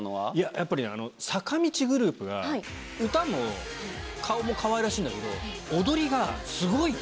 やっぱり坂道グループが、歌も顔もかわいらしいんだけど、踊りがすごいね。